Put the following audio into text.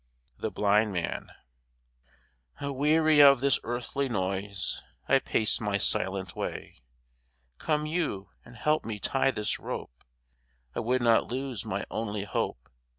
THE BLIND MAN Aweary of this earthly noise I pace my silent way. Come you and help me tie this rope: I would not lose my only hope.